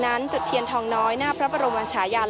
พาคุณผู้ชมไปติดตามบรรยากาศกันที่วัดอรุณราชวรรมหาวิหารค่ะ